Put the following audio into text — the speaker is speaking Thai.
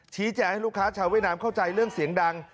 แจให้ลูกค้าชาวเวียดนามเข้าใจเรื่องเสียงดัง